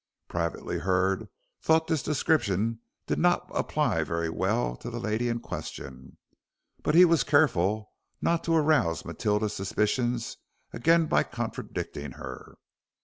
Privately Hurd thought this description did not apply very well to the lady in question, but he was careful not to arouse Matilda's suspicions again by contradicting her.